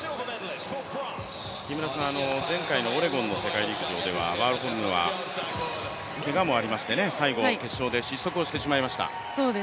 前回のオレゴンの世界陸上では、ワーホルムはけがもありまして、最後決勝で失速をしてしまいました。